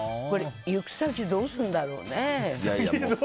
行く先どうするんだろうね。